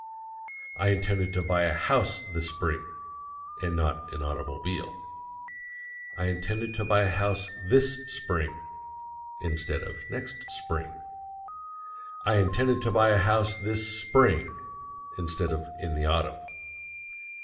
I intended to buy a HOUSE this Spring (and not an automobile). I intended to buy a house THIS Spring (instead of next Spring). I intended to buy a house this SPRING (instead of in the Autumn).